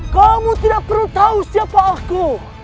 kamu tidak perlu tahu siapa aku